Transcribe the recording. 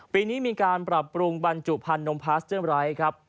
ปีนี้มีการปรับปรุงบรรจุพันธมพาสเจมไรครับ